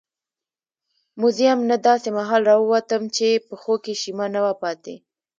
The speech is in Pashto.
موزیم نه داسې مهال راووتم چې پښو کې شیمه نه وه پاتې.